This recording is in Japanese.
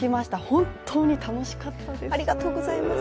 本当に楽しかったです。